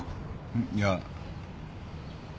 いや。